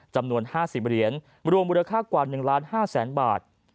จำนวน๕๐เหรียญรวมมูลค่ากว่า๑๕๐๐๐๐บาท